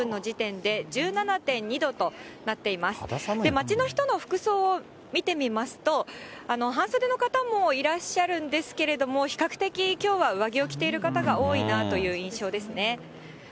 街の人の服装を見てみますと、半袖の方もいらっしゃるんですけれども、比較的、きょうは上着を着ている方が多いなという印象ですね。